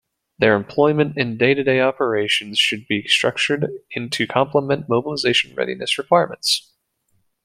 Their employment in day-to-day operations should be structured to complement mobilization readiness requirements.